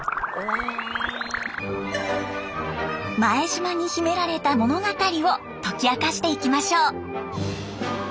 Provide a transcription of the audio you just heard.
前島に秘められた物語を解き明かしていきましょう。